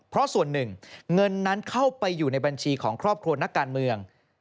เพราะส่วนหนึ่งเงินนั้นเข้าไปอยู่ในบัญชีของครอบครัวนักการเมือง